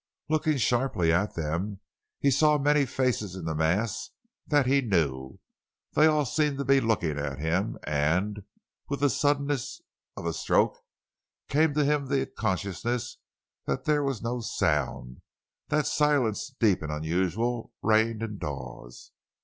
Looking sharply at them, he saw many faces in the mass that he knew. They all seemed to be looking at him and, with the suddenness of a stroke came to him the consciousness that there was no sound—that silence, deep and unusual, reigned in Dawes.